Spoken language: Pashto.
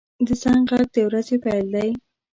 • د زنګ غږ د ورځې پیل دی.